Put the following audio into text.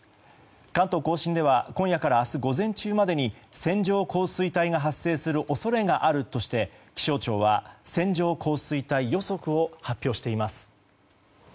関東・甲信では今夜から明日午前中までに線状降水帯が発生する恐れがあるとして気象庁は線状降水帯予測を発表しています。